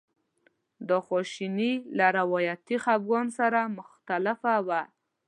دا خواشیني له روایتي خپګان سره مختلفه وه.